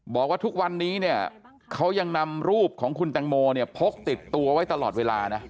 บอกว่าทุกวันนี้เนี่ยเขายังนำรูปของคุณแตงโมเนี่ยพกติดตัวไว้ตลอดเวลานะ